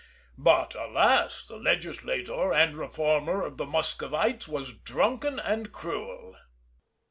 But, alas! the legislator and reformer of the Muscovites was drunken and cruel.